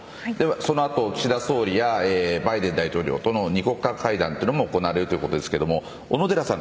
その後、岸田総理やバイデン大統領との二国間会談も行われるということですが小野寺さん